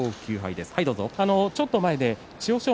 ちょっと前、千代翔